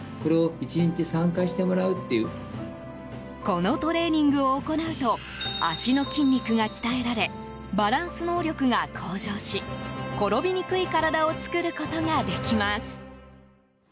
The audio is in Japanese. このトレーニングを行うと足の筋肉が鍛えられバランス能力が向上し転びにくい体を作ることができます。